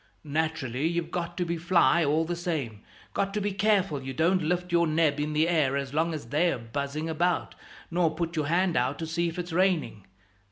Naturally, you've got to be fly, all the same. Got to be careful you don't lift your neb in the air as long as they're buzzing about, nor put your hand out to see if it's raining.